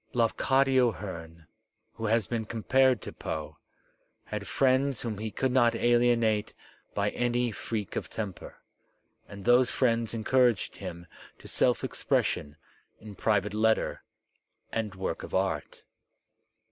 Laf cadio Heam — who has been compared to Poe — had friends whom he could not alienate by any freak of temper. And those friends encouraged him to self expression in private letter and work of art.